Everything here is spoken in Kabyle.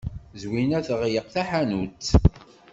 Zwina teɣleq taḥanut.